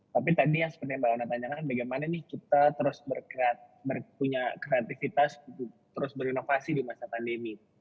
tapi tadi yang sebenarnya mbak rona tanyakan bagaimana nih kita terus berkreativitas terus berinovasi di masa pandemi